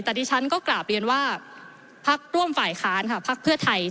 แต่ดิฉันก็กราบเรียนว่าพักร่วมฝ่ายค้านค่ะพักเพื่อไทย